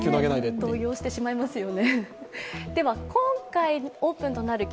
動揺してしまいますよね。